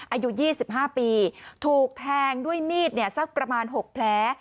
อายุ๒๕ปีถูกแทงด้วยมีดเนี่ยซักประมาณ๖แพ้